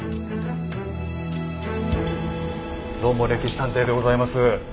どうも「歴史探偵」でございます。